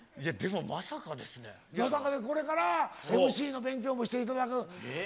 まさかで、これからＭＣの勉強もしていただく。